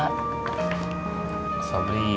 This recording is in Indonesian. sobri baru bisa beliin ini